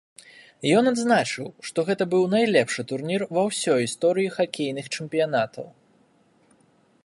Ён адзначыў, што гэта быў найлепшы турнір ва ўсёй гісторыі хакейных чэмпіянатаў.